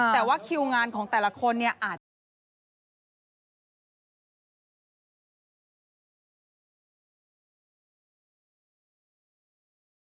แต่ว่าคิวงานของแต่ละคนเนี่ยอาจจะไม่ได้